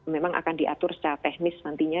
memang akan diatur secara teknis nantinya